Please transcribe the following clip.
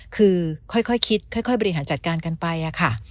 คือค่อยคิดค่อยบริหารจัดการกันไปค่ะ